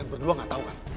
kalian berdua gak tau kan